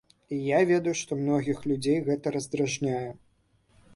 І я ведаю, што многіх людзей гэта раздражняе.